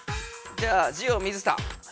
じゃあジオ水田。